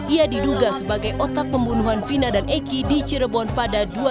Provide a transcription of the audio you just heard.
ia diduga sebagai otak pembunuhan vina dan eki di cirebon pada dua ribu dua